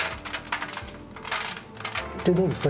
どうですか？